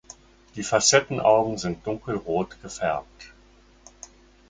Die Facettenaugen sind dunkelrot gefärbt.